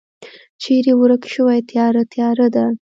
چیری ورک شوی تیاره، تیاره ده